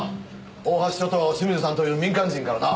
大橋署と清水さんという民間人からな。